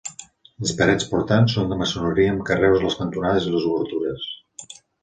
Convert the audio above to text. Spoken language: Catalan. Les parets portants són de maçoneria amb carreus a les cantonades i les obertures.